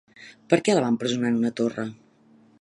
Per què la va empresonar en una torre?